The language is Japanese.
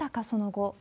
その後。